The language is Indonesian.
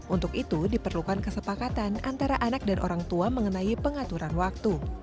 untuk itu diperlukan kesepakatan antara anak dan orang tua mengenai pengaturan waktu